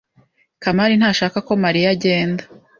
Kamari ntashaka ko Mariya agenda.